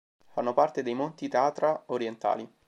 Fanno parte dei Monti Tatra orientali.